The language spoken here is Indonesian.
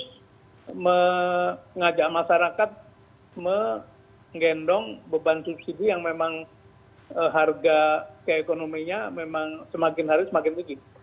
dan mengajak masyarakat mengendong beban subsidi yang memang harga keekonominya memang semakin harga semakin tinggi